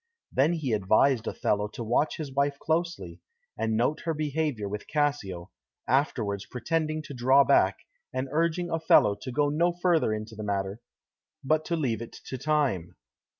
Then he advised Othello to watch his wife closely, and note her behaviour with Cassio, afterwards pretending to draw back, and urging Othello to go no further into the matter, but to leave it to time.